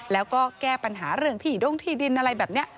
แล้วก็แก้ปัญหาเรื่องที่ดงที่ดินอะไรแบบนี้